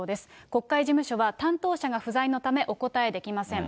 国会事務所は担当者が不在のためお答えできません。